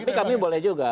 tapi kami boleh juga